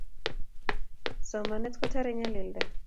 Somanet kutare nyalilda